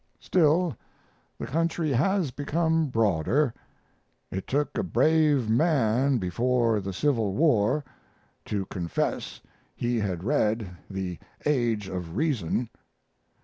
"Still the country has become broader. It took a brave man before the Civil War to confess he had read the 'Age of Reason'."